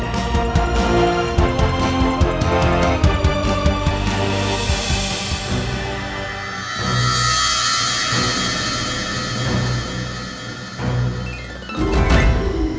akan selalu menyertai kalian semua